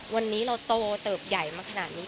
วันนี้เราโตเติบใหญ่มาขนาดนี้